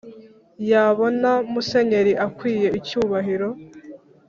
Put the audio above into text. yabona musenyeri akwiye icyubahiro